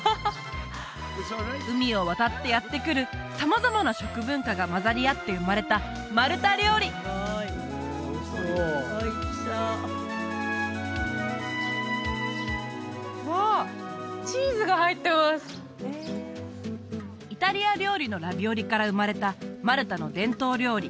海を渡ってやって来る様々な食文化がまざりあって生まれたすごいおいしそうわあっイタリア料理のラビオリから生まれたマルタの伝統料理